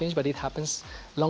dan sekarang dengan perubahan iklim